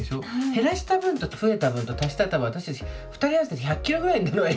減らした分と増えた分と足したら私たち２人合わせて１００キロぐらいになるわよ